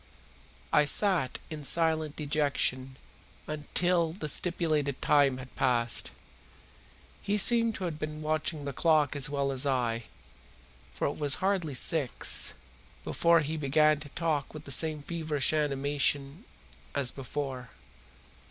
I sat in silent dejection until the stipulated time had passed. He seemed to have been watching the clock as well as I, for it was hardly six before he began to talk with the same feverish animation as before.